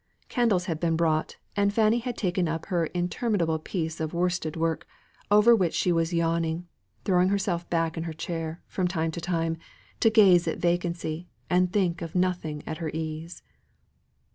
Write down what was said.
Candles had been brought, and Fanny had taken up her interminable piece of worsted work, over which she was yawning; throwing herself back in her chair, from time to time to gaze at vacancy, and think of nothing at her ease.